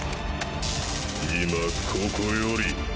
今ここより。